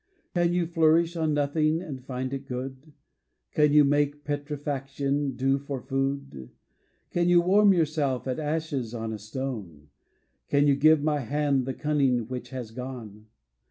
Can you flourish on nothing and flnd it good ? Can you make petrifaction do for food? Can you warm yourself at ashes on a stone? Can you give my hand the cunning which has gone?